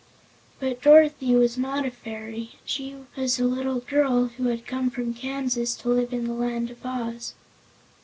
But Dorothy was not a fairy; she was a little girl who had come from Kansas to live in the Land of Oz.